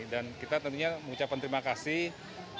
dan kita tentunya mengucapkan terima kasih